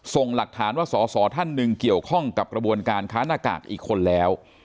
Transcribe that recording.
ส่งหลักฐานว่าสอสอท่านหนึ่งเกี่ยวข้องกับกระบวนการค้าหน้ากากอีกคนแล้ว